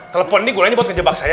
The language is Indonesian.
telepon ini gunanya buat ngejebak saya